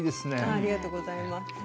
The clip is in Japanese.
ありがとうございます。